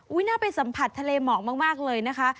อุ๊ยน่าไปสัมผัสทะเลเหมาะมากเลยนะคะ